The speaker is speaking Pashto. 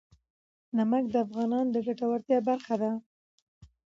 نمک د افغانانو د ګټورتیا برخه ده.